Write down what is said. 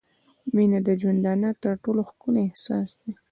• مینه د ژوندانه تر ټولو ښکلی احساس دی.